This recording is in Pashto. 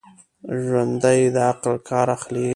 ژوندي د عقل کار اخلي